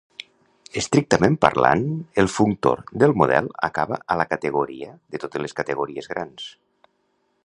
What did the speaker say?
Estrictament parlant, el functor del model acaba a la "categoria" de totes les categories grans.